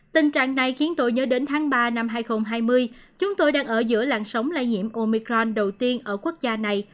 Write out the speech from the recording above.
tình trạng này khiến tôi nhớ đến tháng ba năm hai nghìn hai mươi chúng tôi đang ở giữa làng sống lây nhiễm omicron đầu tiên ở quốc gia này